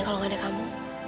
kalau gak ada kamu